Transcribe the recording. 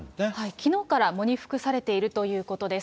きのうから喪に服されているということです。